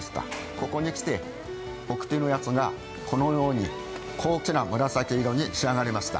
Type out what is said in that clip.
ここに来て、おくてのやつがこのように高貴な紫色に仕上がりました。